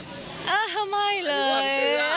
ไม่เลย